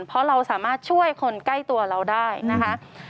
เพราะเราสามารถช่วยคนใกล้ตัวเราได้นะคะ